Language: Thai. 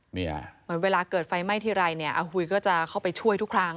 เหมือนเวลาเกิดไฟไหม้ทีไรเนี่ยอาหุยก็จะเข้าไปช่วยทุกครั้ง